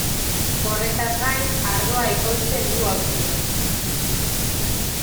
Horretaz gain, ardoa ekoizten du Austrian.